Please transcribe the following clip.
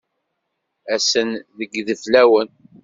Ass-n deg yideflawen.